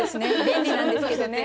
便利なんですけどね。